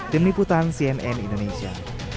tim liputan cnn indonesia